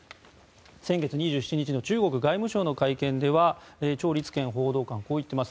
先月２７日の中国外務省の会見ではチョウ・リツケン報道官はこう言っています。